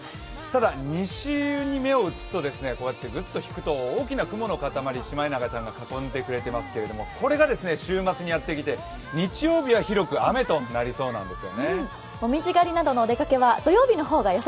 ただ、西に目を移すとこうやってぐっと引くと大きな雲の塊シマエナガちゃんが囲んでくれていますけれどもこれが週末にやってきて、日曜日は広く雨となりそうです。